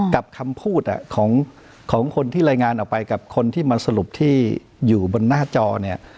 กับคำพูดของคนที่รายงานออกไปกับคนที่มาสรุปที่อยู่บนหน้าจอเนี่ย